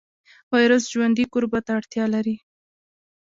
ویروس ژوندي کوربه ته اړتیا لري